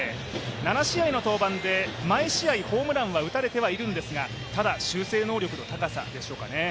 ７試合の登板で毎試合、ホームランは打たれてはいるんですがただ修正能力の高さでしょうかね。